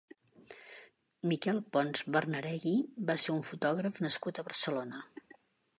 Miquel Pons Bernareggi va ser un fotògraf nascut a Barcelona.